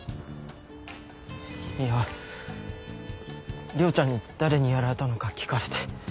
いや涼ちゃんに誰にやられたのか聞かれて。